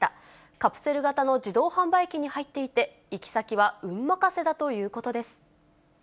カプセル型の自動販売機に入っていて、行き先は運任せだということです。